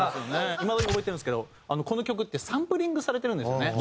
いまだに覚えてるんですけどこの曲ってサンプリングされてるんですよね。